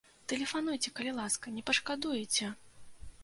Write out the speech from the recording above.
Тэлефануйце, калі ласка, не пашкадуеце!